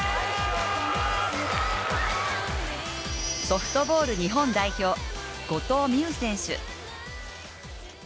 ソフトボール日本代表・後藤希友選手。